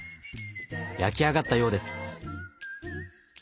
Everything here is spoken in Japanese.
焼き上がったようです。